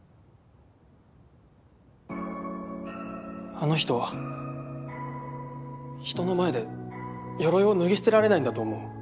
あの人は人の前でよろいを脱ぎ捨てられないんだと思う。